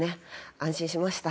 安心しました。